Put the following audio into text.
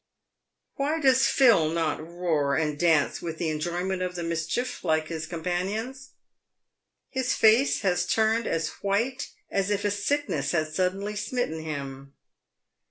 Why does not Phil roar and dance with the enjoyment of the mis chief, like his companions ? His face has turned as white as if a sickness had suddenly smitten him.